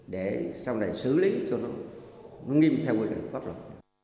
để sau này xử lý cho nó nghiêm theo quy định của pháp luật